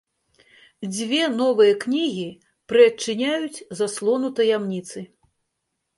Дзве новыя кнігі прыадчыняюць заслону таямніцы.